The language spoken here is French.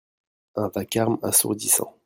Un vacarme assourdissant.